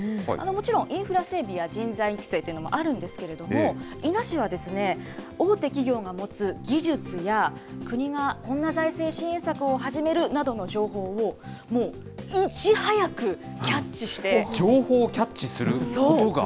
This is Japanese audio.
もちろんインフラ整備や人材育成というのもあるんですけれども、伊那市は、大手企業が持つ技術や、国がこんな財政支援策を始めるなどの情報を、情報をキャッチすることが。